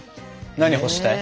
何干したい？